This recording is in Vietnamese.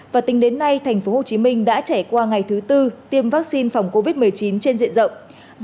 và tính đến nay thành phố hồ chí minh đã trải qua ngày thứ tư tiêm vaccine phòng covid một mươi chín trên diện rộng